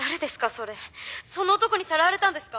それその男にさらわれたんですか